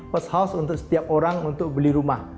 first house untuk setiap orang untuk beli rumah